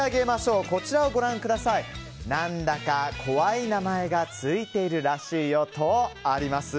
何だか怖い名前がついているらしいよとあります。